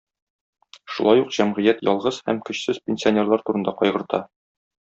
Шулай ук җәмгыять ялгыз һәм көчсез пенсионерлар турында кайгырта.